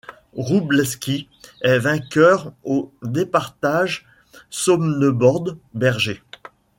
Roublevski est vainqueur au départage Sonneborn-Berger.